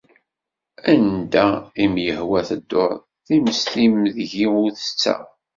Anda im-yehwa tedduḍ, timest-im deg-i ur tettaɣ.